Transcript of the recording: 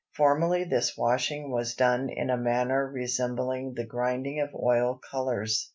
Formerly this washing was done in a manner resembling the grinding of oil colors.